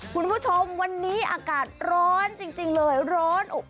คุณผู้ชมวันนี้อากาศร้อนจริงเลยร้อนอบ